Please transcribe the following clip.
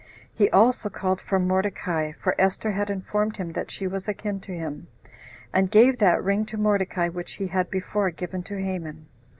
He also called for Mordecai, [for Esther had informed him that she was akin to him,] and gave that ring to Mordecai which he had before given to Haman.